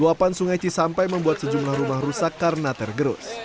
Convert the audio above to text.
luapan sungai cisampai membuat sejumlah rumah rusak karena tergerus